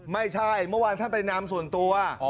เมื่อวานท่านไปนำส่วนตัว